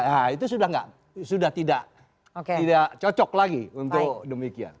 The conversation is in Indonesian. nah itu sudah tidak cocok lagi untuk demikian